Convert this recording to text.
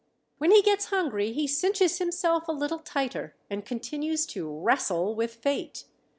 When he gets hungry he cinches himself a little tighter and continues to "rastle" with fate.